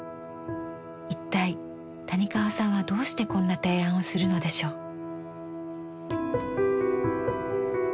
一体谷川さんはどうしてこんな提案をするのでしょう？